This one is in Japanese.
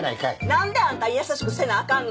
何であんたに優しくせなあかんの？